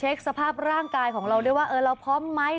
สภาพร่างกายของเราด้วยว่าเราพร้อมไหม